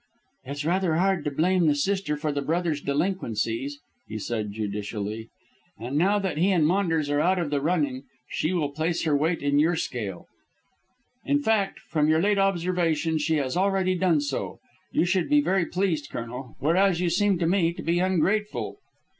"It's rather hard to blame the sister for the brother's delinquencies," he said judicially. "And now that he and Maunders are out of the running she will place her weight in your scale. In fact, from your late observation, she has already done so. You should be very pleased, Colonel, whereas you seem to me to be ungrateful."